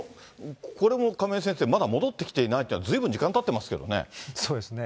これも、亀井先生、まだ戻ってきていないっていうのは、ずいぶん時間たってますけどそうですね。